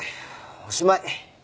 おしまい。